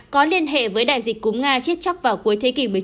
có liên hệ với đại dịch cúng nga chết chắc vào cuối thế kỷ một mươi chín